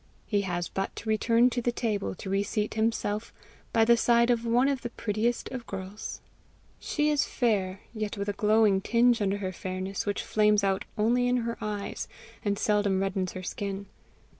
He has but to return to the table to reseat himself by the side of one of the prettiest of girls! She is fair, yet with a glowing tinge under her fairness which flames out only in her eyes, and seldom reddens her skin.